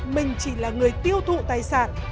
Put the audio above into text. mình chỉ là người tiêu thụ tài sản